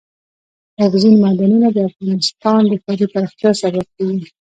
اوبزین معدنونه د افغانستان د ښاري پراختیا سبب کېږي.